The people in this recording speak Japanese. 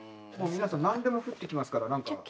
もう皆さん何でも降ってきますから何か。